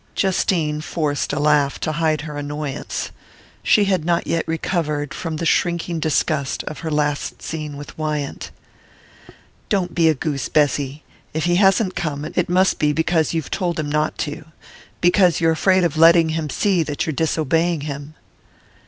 Justine forced a laugh to hide her annoyance. She had not yet recovered from the shrinking disgust of her last scene with Wyant. "Don't be a goose, Bessy. If he hasn't come, it must be because you've told him not to because you're afraid of letting him see that you're disobeying him."